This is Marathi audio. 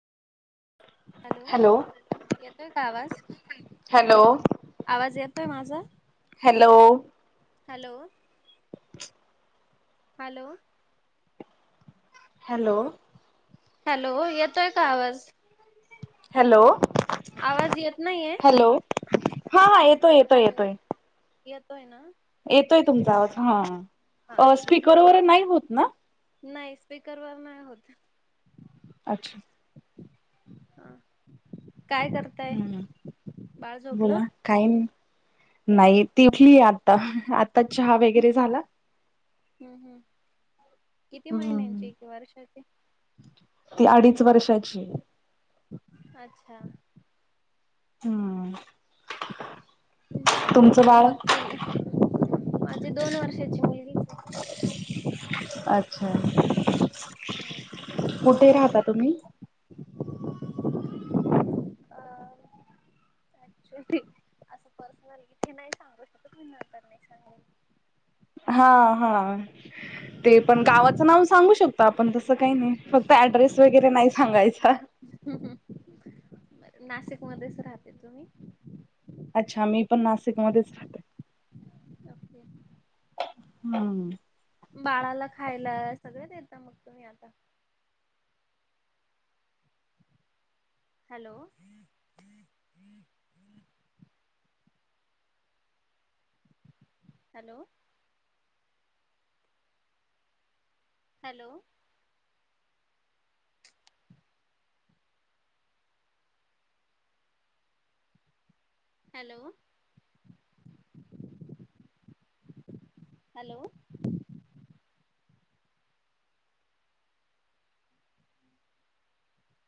हॅलो येतोय का आवाज. हॅलो आवाज येतोय माझा. Hello. Hello. Hello. Hello. Hello येतोय का आवाज. हॅलो आवाज येत नाहीे ये. हॅलो हा हा येतोय येतोय येतोय. येतो आहे ना. येतोय तुमचा आवाज हा स्पीकर वगैरे नाही होत ना. नाही स्पीकरवर नाही होत. अच्छा. ह काय कर हम्म बोला काही नाही ती उठली आ आता आता चहा वगैरे हम्म झाला. हम्म हम्म किती हम्म महिन्यांची वर्षाचे. ती अडीच वर्षाची. अच्छा. हम्म. तुमचं बाळ मग तील माझी दोन वर्षाची मुलगी. अच्छा. आहे कुठे राहता तुम्ही. क्चुली असं पर्सनल इथे नाही सांगू शकत मी नंतर ने हा हा. ते पण गावाचं नाव सांगू शकतो आपण तसं काही नाही फक्त ऍड्रेस वगैरे नाही सांगायचा. हम्म हम्म बर नाशिक मध्येच राहते तुम्ही. अच्छा मी पण नाशिकमध्येच राहते. ओके हम्म. बाळाला खायला सगळ देता मग तुम्ही आता. Hello. Hello. Hello. Hello hello.